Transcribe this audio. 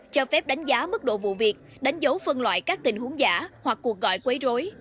cho phép đánh giá mức độ vụ việc đánh dấu phân loại các tình huống giả hoặc cuộc gọi quấy rối